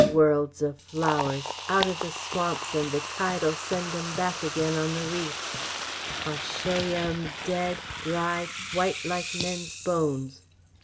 Worlds o' flowers! Out o' the swamps and the tide'll send 'em back again on the reefs. I'll show yeh 'em dead, dried white like men's bones."